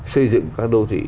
xây dựng các đô thị